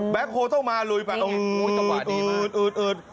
แบ็คโฮต้องมาลุยแบบอื้นอื้นอื้นอื้น